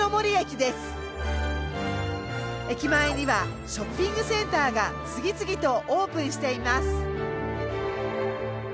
駅前にはショッピングセンターが次々とオープンしています。